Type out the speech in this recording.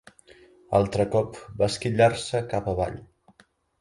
Altre cop va esquitllar-se cap avall